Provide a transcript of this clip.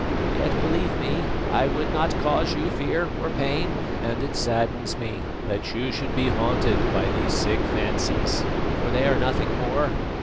Yet, believe me, I would not cause you fear or pain, and it saddens me that you should be haunted by these sick fancies, for they are nothing more.